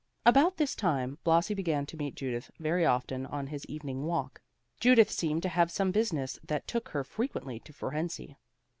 About this time Blasi began to meet Judith very often on his evening walk. Judith seemed to have some business that took her frequently to Fohrensee.